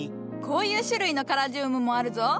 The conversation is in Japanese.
こういう種類のカラジウムもあるぞ。